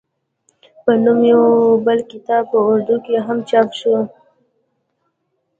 پۀ نوم يو بل کتاب پۀ اردو کښې هم چاپ شو